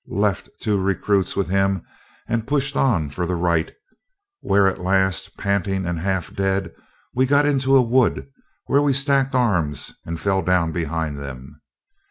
Left two recruits with him and pushed on for the right, where at last, panting and half dead, we got into a wood where we stacked arms and fell down behind them.